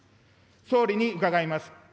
総理に伺います。